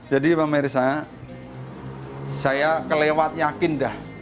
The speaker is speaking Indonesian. jadi pemirsa saya kelewat yakin dah